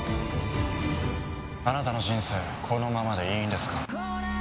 あなたの人生このままでいいんですか？